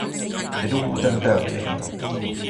你都烏啄啄嘅